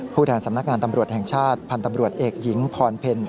แทนสำนักงานตำรวจแห่งชาติพันธ์ตำรวจเอกหญิงพรเพล